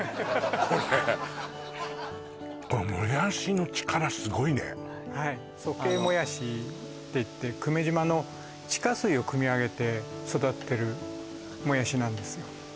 これもやしの力すごいねはい惣慶もやしっていって久米島の地下水をくみ上げて育ってるもやしなんですよ